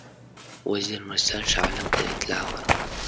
وزیر مرستیال شاه عالم ته اطلاع ورکړه.